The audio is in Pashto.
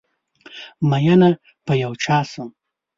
ميېنه په یو چا شم